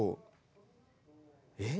えっ？